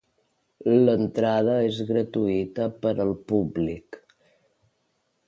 L'entrada és gratuïta per al públic.